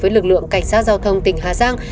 với lực lượng cảnh sát giao thông tỉnh hà giang